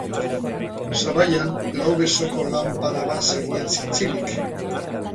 Sabaian lau besoko lanpara bat zegoen zintzilik.